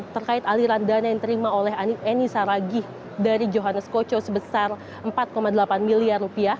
terkait aliran dana yang terima oleh enisa raghi dari johannes budi sustenkocho sebesar empat delapan miliar rupiah